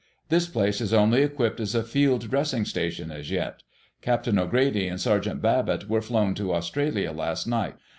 "This place is only equipped as a field dressing station as yet. Captain O'Grady and Sergeant Babbitt were flown to Australia last night.